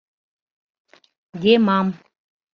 — Демам!